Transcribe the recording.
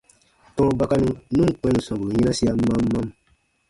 Tɔ̃ɔ bakanu nu ǹ kpɛ̃ nù sɔmburu yinasia mam mam.